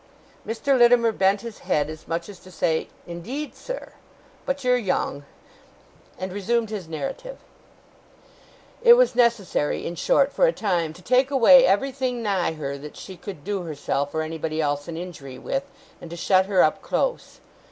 Mr. Littimer bent his head, as much as to say, 'Indeed, sir? But you're young!' and resumed his narrative. 'It was necessary, in short, for a time, to take away everything nigh her, that she could do herself, or anybody else, an injury with, and to shut her up close.